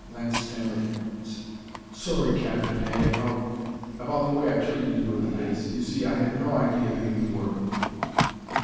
Lance stammered: "S sorry, Captain Hay, about about the way I treated you at the base. You see, I had no idea who you were."